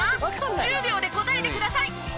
１０秒で答えてください！